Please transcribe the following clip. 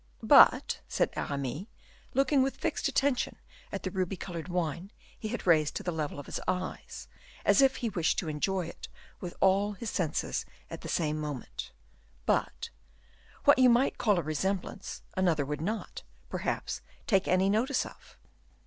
"But," said Aramis, looking with fixed attention at the ruby colored wine he had raised to the level of his eyes, as if he wished to enjoy it with all his senses at the same moment, "but what you might call a resemblance, another would not, perhaps, take any notice of."